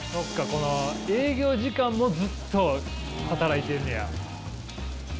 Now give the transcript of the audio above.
この営業時間もずっと働いてんねや。